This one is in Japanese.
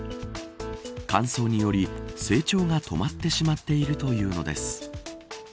乾燥により成長が止まってしまっているというのです。